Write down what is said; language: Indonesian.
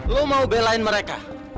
lo mau belain mereka